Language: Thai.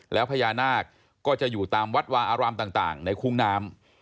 แล้วพญานาคก็จะอยู่ตามวัดวาอารามต่างในคุ้งน้ำ